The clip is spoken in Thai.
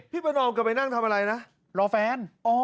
ประนอมกลับไปนั่งทำอะไรนะรอแฟน